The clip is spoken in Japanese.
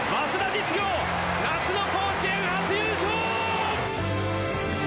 実業夏の甲子園初優勝！